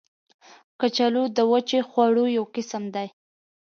کچالو د وچې خواړو یو قسم دی